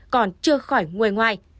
còn chưa khỏi nguôi ngoai